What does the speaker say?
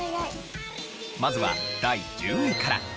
まずは第１０位から。